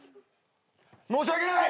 申し訳ない！